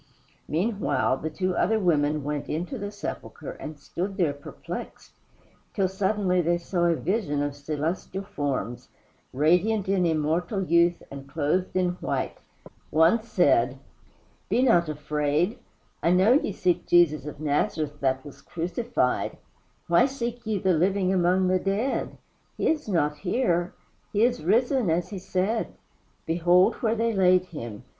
Meanwhile, the two other women went into the sepulchre and stood there perplexed, till suddenly they saw a vision of celestial forms, radiant in immortal youth and clothed in white. One said: "Be not afraid. I know ye seek Jesus of Nazareth that was crucified. Why seek ye the living among the dead? He is not here. He is risen as he said. Behold where they laid him.